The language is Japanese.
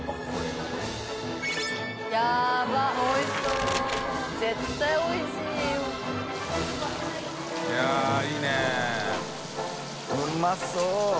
うまそう！